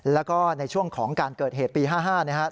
แล้วก็ในช่วงของการเกิดเหตุปี๕๕นะครับ